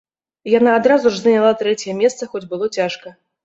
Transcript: Яна адразу ж заняла трэцяе месца, хоць было цяжка.